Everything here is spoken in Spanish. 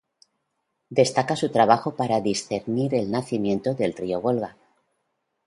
Destaca su trabajo para discernir el nacimiento del río Volga.